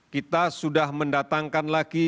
kita sudah mendatangkan lagi